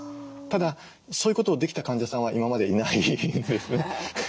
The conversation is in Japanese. ただそういうことをできた患者さんは今までいないんです。